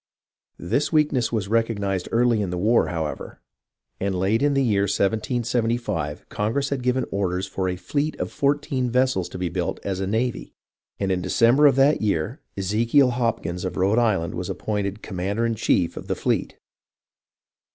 This weakness was recognized early in the war, how ever, and late in the year 1775 Congress had given orders for a fleet of fourteen vessels to be built as a " navy," and in December of that year Ezekiel Hopkins of Rhode Island was appointed commander in chief of the fleet.